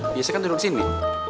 biasanya kan duduk sini